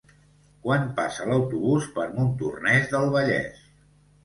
Quan passa l'autobús per Montornès del Vallès?